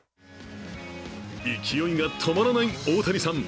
勢いが止まらない大谷さん。